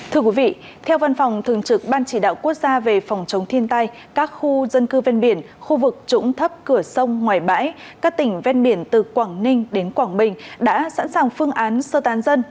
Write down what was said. thưa quý vị theo văn phòng thường trực ban chỉ đạo quốc gia về phòng chống thiên tai các khu dân cư ven biển khu vực trũng thấp cửa sông ngoài bãi các tỉnh ven biển từ quảng ninh đến quảng bình đã sẵn sàng phương án sơ tán dân